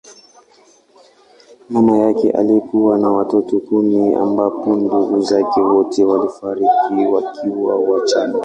Mama yake alikuwa na watoto kumi ambapo ndugu zake wote walifariki wakiwa wachanga.